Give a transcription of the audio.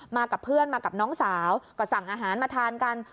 มากับเพื่อนมากับน้องสาวก็สั่งอาหารมาทานกัน